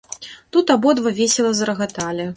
Тут абодва весела зарагаталі.